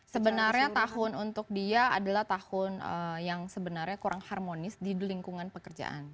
sebenarnya tahun untuk dia adalah tahun yang sebenarnya kurang harmonis di lingkungan pekerjaan